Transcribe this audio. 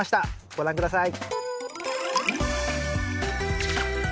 ご覧下さい。